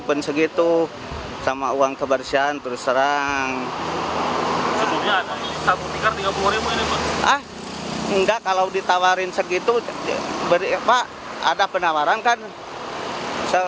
penghutang yang mengulangi perbuatannya